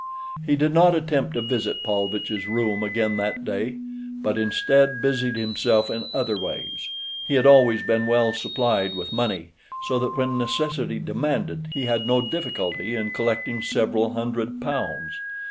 He did not attempt to visit Paulvitch's room again that day, but instead busied himself in other ways. He had always been well supplied with money, so that when necessity demanded he had no difficulty in collecting several hundred pounds.